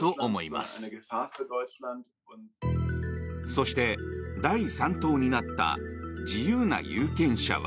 そして、第３党になった自由な有権者は。